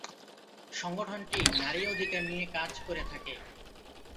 সংগঠনটি নারী অধিকার নিয়ে কাজ করে থাকে।